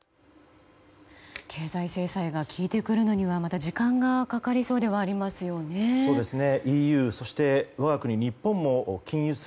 経済制裁がきいてくるのにはまだ時間がかかりそうではありますよね。